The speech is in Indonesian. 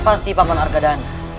pasti paman harga dan